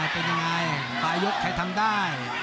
เป็นยังไงปลายยกใครทำได้